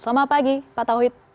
selamat pagi pak tauhid